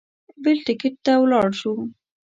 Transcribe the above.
بل ټکټ ته ولاړ شو.